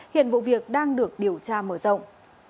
hiện vụ việc đang được điều tra mở rộng